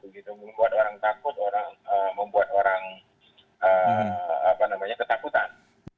membuat orang takut membuat orang ketakutan